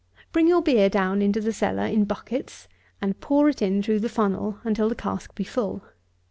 Bring your beer down into the cellar in buckets, and pour it in through the funnel, until the cask be full.